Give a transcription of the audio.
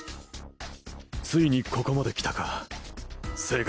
ついにここまで来たか青学。